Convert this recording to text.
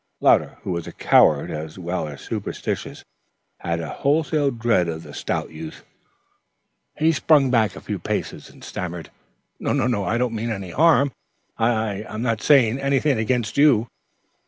Louder, who was a coward, as well as superstitious, had a wholesome dread of the stout youth. He sprung back a few paces and stammered: "No, no, I don't mean any harm. I I am not saying anything against you."